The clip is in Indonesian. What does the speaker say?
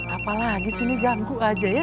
apalagi sini ganggu aja ya